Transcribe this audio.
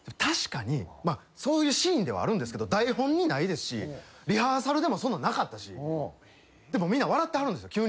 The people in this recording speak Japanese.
確かにそういうシーンではあるんですけど台本にないですしリハーサルでもそんなんなかったしでもうみんな笑ってはるんです